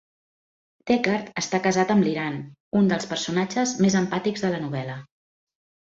Deckard està casat amb l'Iran, un dels personatges més empàtics de la novel·la.